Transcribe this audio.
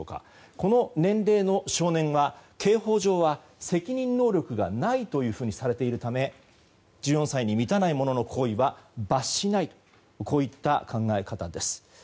この年齢の少年は刑法上は責任能力がないというふうにされているため１４歳に満たない者の行為は罰しないといった考え方です。